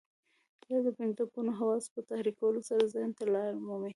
دا د پنځه ګونو حواسو په تحريکولو سره ذهن ته لار مومي.